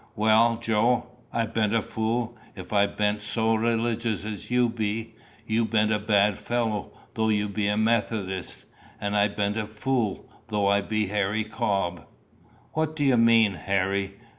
"Well, Joe, I ben't a fool, if I ben't so religious as you be. You ben't a bad fellow, though you be a Methodist, and I ben't a fool, though I be Harry Cobb." "What do you mean, Harry?